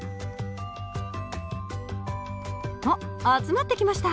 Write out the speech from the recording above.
おっ集まってきました。